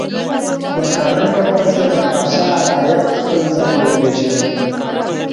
د قانون په مرسته د پاچا رعیت خپل ځای وپیژند.